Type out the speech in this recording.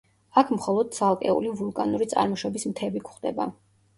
აქ მხოლოდ ცალკეული ვულკანური წარმოშობის მთები გვხვდება.